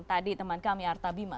tadi teman kami artabima